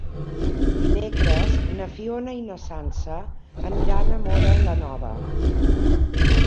Dimecres na Fiona i na Sança aniran a Móra la Nova.